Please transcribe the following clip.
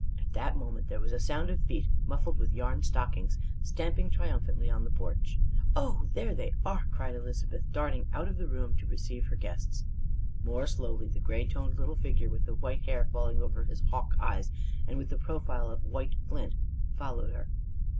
At that moment there was a sound of feet, muffled with yarn stockings, stamping triumphantly on the porch. "Oh, there they are!" cried Elizabeth, darting out of the room to receive her guests. More slowly the gray toned little figure with the white hair falling over his hawk eyes and with the profile of white flint followed her.